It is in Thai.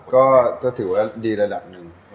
ก็ถือว่าดีระดับหนึ่ง